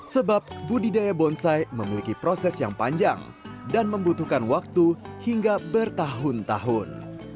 sebab budidaya bonsai memiliki proses yang panjang dan membutuhkan waktu hingga bertahun tahun